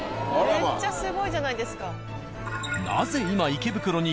めっちゃすごいじゃないですか。